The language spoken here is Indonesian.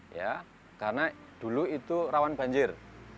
ya karena dulu itu rawan banjir